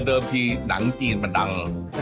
เดิมทีหนังจีนมันดัง